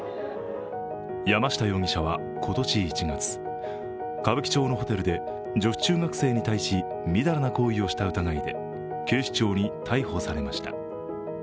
山下容疑者は今年１月歌舞伎町のホテルで女子中学生に対しみだらな行為をした疑いで警視庁に逮捕されました。